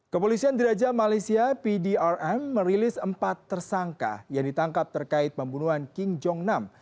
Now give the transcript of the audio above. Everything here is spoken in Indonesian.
kepolisian di raja malaysia pdrm merilis empat tersangka yang ditangkap terkait pembunuhan king jong nam